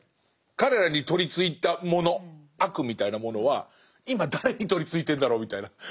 彼らに取りついたもの悪みたいなものは今誰に取りついてるんだろうみたいな。